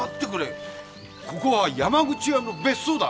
ここは山口屋の別荘だ。